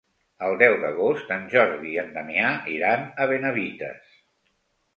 El deu d'agost en Jordi i en Damià iran a Benavites.